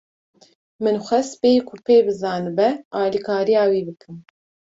Min xwest bêyî ku pê bizanibe, alîkariya wî bikim.